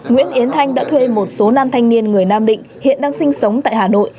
nguyễn yến thanh đã thuê một số nam thanh niên người nam định hiện đang sinh sống tại hà nội